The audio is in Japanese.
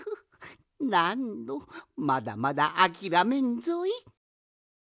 なんのまだまだあきらめんぞい！